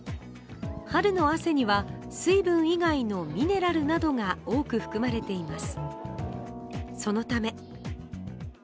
春の汗には水分以外のミネラルなどが多く含まれています。